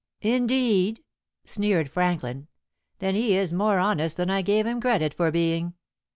"Indeed," sneered Franklin; "then he is more honest than I gave him credit for being.